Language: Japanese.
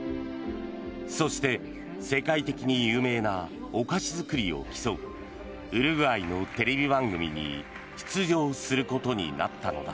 そして、世界的に有名なお菓子作りを競うウルグアイのテレビ番組に出場することになったのだ。